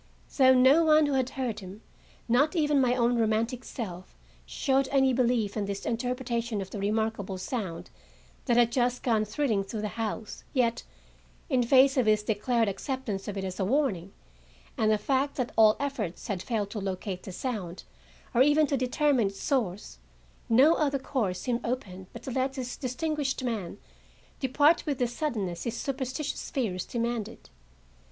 Though no one who had heard him, not even my own romantic self, showed any belief in this interpretation of the remarkable sound that had just gone thrilling through the house, yet, in face of his declared acceptance of it as a warning, and the fact that all efforts had failed to locate the sound, or even to determine its source, no other course seemed open but to let this distinguished man depart with the suddenness his superstitious fears demanded.